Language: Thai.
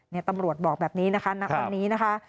นี่ตำรวจบอกแบบนี้นะคะนักภาพนี้นะคะ